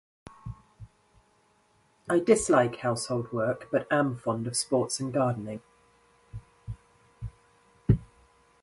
I dislike household work, but am fond of sports and gardening.